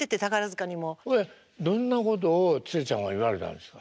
どんなことをツレちゃんは言われたんですか？